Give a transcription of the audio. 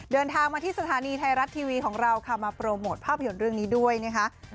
เดินทางมาที่สถานีไทยรัฐทีวีของเราค่ะมาโปรโมทภาพยนตร์เรื่องนี้ด้วยนะคะ